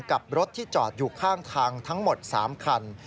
กับรถที่จอดอยู่ข้างทางทั้งหมด๓คัน